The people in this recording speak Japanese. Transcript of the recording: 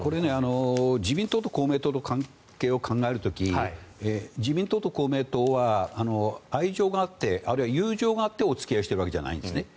自民党と公明党の関係を考える時自民党と公明党は愛情があってあるいは友情があってお付き合いしてるわけじゃないんですね。